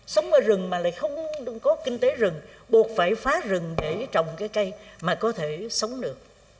sống ở rừng mà lại không có kinh tế rừng buộc phải phá rừng để trồng cái cây mà có thể sống được